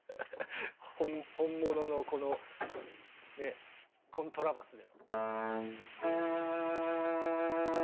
本物のこのねコントラバスで。